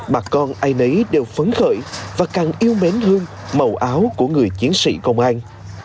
bà con ai nấy đều phấn khởi và càng yêu mến hương màu áo của người chiến sĩ công an